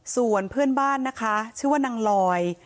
ส่วนเพื่อนบ้านนะคะชื่อว่านางลอย